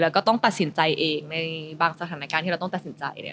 แล้วก็ต้องตัดสินใจเองในบางสถานการณ์ที่เราต้องตัดสินใจเนี่ย